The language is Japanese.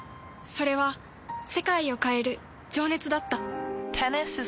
それは世界を変える情熱だった。